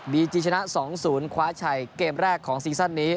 ีจีชนะ๒๐คว้าชัยเกมแรกของซีซั่นนี้